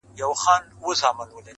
يوه ورځ څه موږكان په لاپو سر وه؛